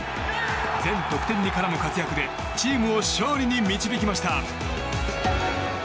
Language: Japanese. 全得点に絡む活躍でチームを勝利に導きました。